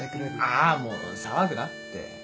あーもう騒ぐなって。